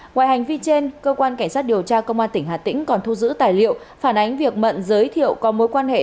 ngoài hành vi trên cơ quan cảnh sát điều tra công an tỉnh hà tĩnh còn thu giữ tài liệu phản ánh việc mận giới thiệu có mối quan hệ